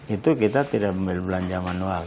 itu kita tidak membeli belanja manual